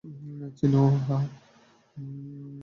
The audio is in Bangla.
চিনো, হ্যাঁ।